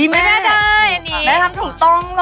แม่ทำถูกต้อง